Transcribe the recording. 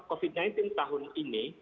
covid sembilan belas tahun ini